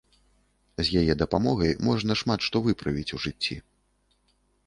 З яе дапамогай можна шмат што выправіць у жыцці.